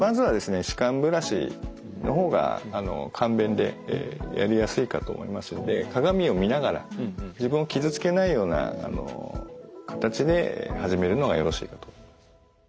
歯間ブラシの方が簡便でやりやすいかと思いますので鏡を見ながら自分を傷つけないような形で始めるのがよろしいかと。